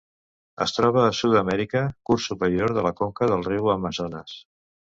Es troba a Sud-amèrica: curs superior de la conca del riu Amazones.